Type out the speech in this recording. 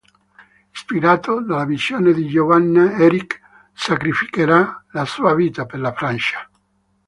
Ispirato dalla visione di Giovanna, Eric sacrificherà la sua vita per la Francia.